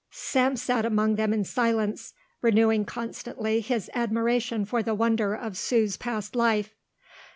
Sam sat among them in silence, renewing constantly his admiration for the wonder of Sue's past life.